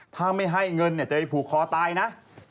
ถ้าไม่ให้เงินจะไปผูกคอตายนะ